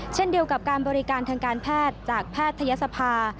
เช่นเดียวกับการบริการทางการแพทย์จากแพทยศภา